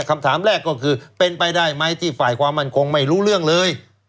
คำถามแรกก็คือเป็นไปได้ไหมที่ฝ่ายความมั่นคงไม่รู้เรื่องเลย